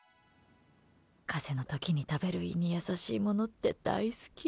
風邪の時に食べる胃に優しいものって大好き。